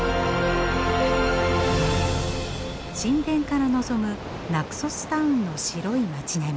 神殿から望むナクソスタウンの白い町並み。